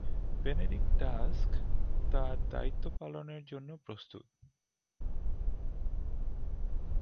Benedict Drask তার দায়িত্ব পালনের জন্য প্রস্তুত!